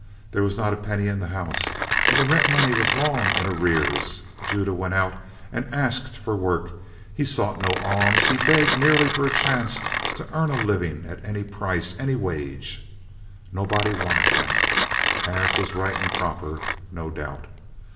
There was not a penny in the house, and the rent money was long in arrears. Judah went out and asked for work. He sought no alms; he begged merely for a chance to earn a living at any price, any wages. Nobody wanted him, as was right and proper, no doubt.